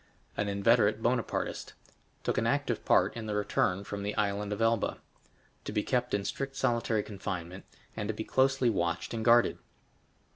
An inveterate Bonapartist; took an active part in the return from the Island of Elba. To be kept in strict solitary confinement, and to be closely watched and guarded.